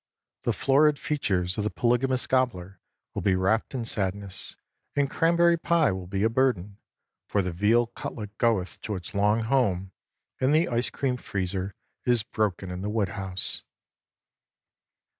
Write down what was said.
The florid features of the polygamous gobbler will be wrapped in sadness, and cranberry pie will be a burden, for the veal cutlet goeth to its long home, and the ice cream freezer is broken in the woodhouse.